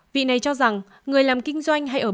vị này cho rằng người làm kinh doanh hay ở bán hàng